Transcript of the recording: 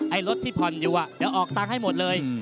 ไอรถที่ผ่อนอยู่จะออกตังให้หมดเลย